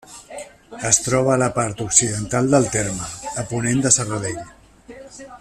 Es troba a la part occidental del terme, a ponent de Serradell.